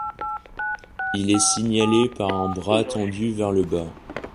Il est signalé par un bras tendu vers le bas.